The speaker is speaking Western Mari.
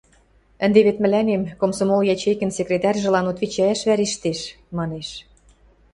Ӹнде вет мӹлӓнем, комсомол ячейкын секретарьжылан, отвечӓйӓш вӓрештеш, – манеш.